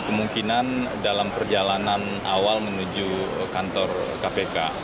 kemungkinan dalam perjalanan awal menuju kantor kpk